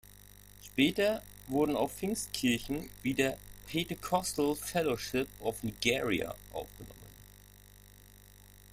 Später wurden auch Pfingstkirchen wie der Pentecostal Fellowship of Nigeria aufgenommen.